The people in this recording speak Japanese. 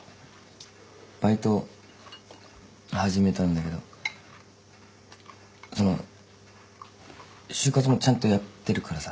バイト始めたんだけどその就活もちゃんとやってるからさ。